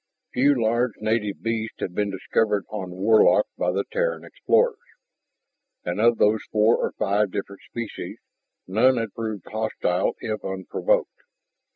Few large native beasts had been discovered on Warlock by the Terran explorers. And of those four or five different species, none had proved hostile if unprovoked.